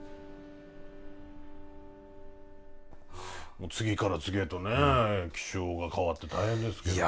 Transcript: もう次から次へとね気象が変わって大変ですけどね。